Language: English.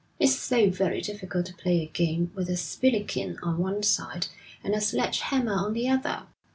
It's so very difficult to play a game with a spillikin on one side and a sledge hammer on the other.'